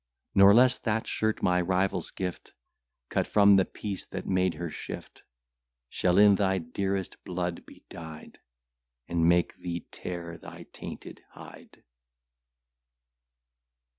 Nor less that shirt, my rival's gift, Cut from the piece that made her shift, Shall in thy dearest blood be dyed, And make thee tear thy tainted hide.